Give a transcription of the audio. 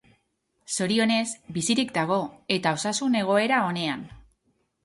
Zorionez, bizirik dago, eta osasun egoera onean.